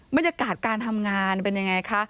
บรรยากาศการทำงานเป็นยังไงคะ